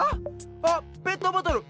あっペットボトル！